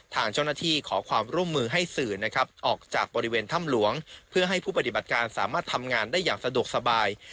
ทางเจ้าหน้าที่ขอความร่วมมือให้สื่อนะครับออกจากบริเวณถ้ำหลวงเพื่อให้ผู้ปฏิบัติการสามารถทำงานได้อย่างสะดวกสบาย